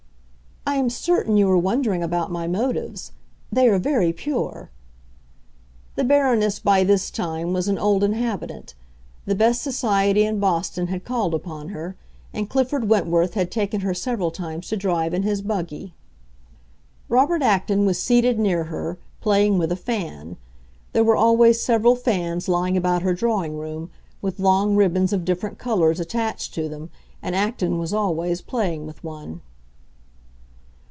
"I am certain you are wondering about my motives. They are very pure." The Baroness by this time was an old inhabitant; the best society in Boston had called upon her, and Clifford Wentworth had taken her several times to drive in his buggy. Robert Acton was seated near her, playing with a fan; there were always several fans lying about her drawing room, with long ribbons of different colors attached to them, and Acton was always playing with one.